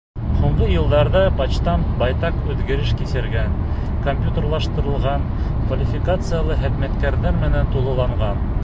Һуңғы йылдарҙа почтамт байтаҡ үҙгәреш кисергән: компьютерлаштырылған, квалификациялы хеҙмәткәрҙәр менән тулыланған.